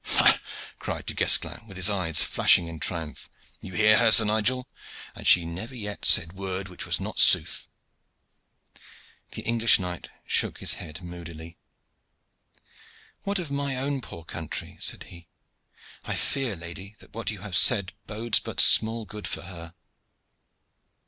"Ha!" cried Du Guesclin, with his eyes flashing in triumph, "you hear her, Sir Nigel? and she never yet said word which was not sooth." The English knight shook his head moodily. "What of my own poor country?" said he. "I fear, lady, that what you have said bodes but small good for her."